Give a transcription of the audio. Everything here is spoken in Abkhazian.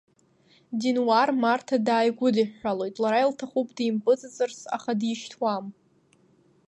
Денуар Марҭа дааигәдиҳәҳәалоит, лара илҭахуп димпыҵыҵырц, аха дишьҭуам.